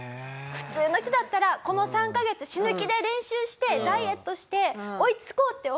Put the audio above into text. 普通の人だったらこの３カ月死ぬ気で練習してダイエットして追いつこうって思うところを。